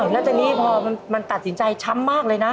อ๋อแล้วจะนี่เป็นพอมันตัดสินใจช้ำมากเลยนะ